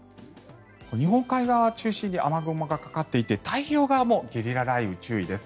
日本海側を中心に雨雲がかかっていて太平洋側もゲリラ雷雨、注意です。